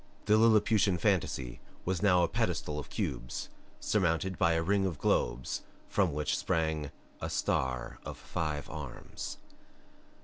The Lilliputian fantasy was now a pedestal of cubes surmounted by a ring of globes from which sprang a star of five arms.